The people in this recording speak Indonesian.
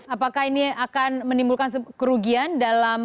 apakah ini akan menimbulkan kerugian dalam